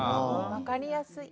わかりやすい。